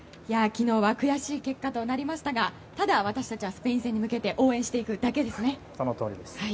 昨日は悔しい結果となりましたがただ、私たちはスペイン戦に向けて応援していくだけですね。